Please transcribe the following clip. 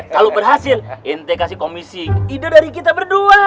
kalau berhasil inte kasih komisi ide dari kita berdua